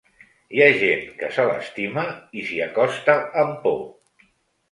Hi ha gent que se l'estima i s'hi acosta amb por.